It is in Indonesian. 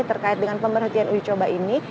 terkait dengan pemberhentian ujicoba ini